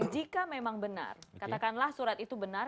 jika memang benar katakanlah surat itu benar